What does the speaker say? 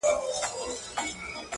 په اووه زورورو ورځو کي کيسه ده,